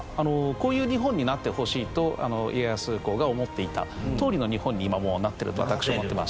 こういう日本になってほしいと家康公が思っていたとおりの日本に今もうなってると私は思ってます。